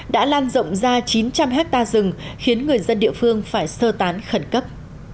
đã lan rộng ra chín trăm linh hectare rừng khiến người dân địa phương phải sơ tán khẩn cấp